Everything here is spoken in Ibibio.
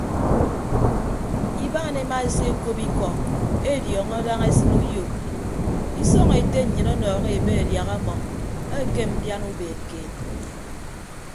Ibaan ema esekop ikọ ediọọñọ daña esịn uyo isọñ ete nnyịn ọnọhọ ebe adiaha ọmọ ekem ndian ubeed keed.